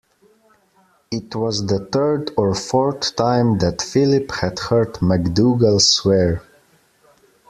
It was the third or fourth time that Philip had heard MacDougall swear.